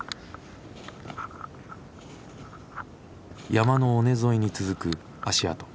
山の尾根沿いに続く足跡。